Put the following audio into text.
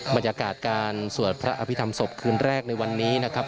บรรยากาศการสวดพระอภิษฐรรมศพคืนแรกในวันนี้นะครับ